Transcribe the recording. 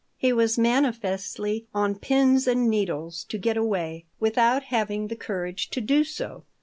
He was manifestly on pins and needles to get away, without having the courage to do so.